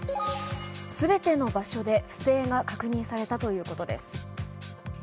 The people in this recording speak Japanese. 全ての場所で、不正が確認されたということです。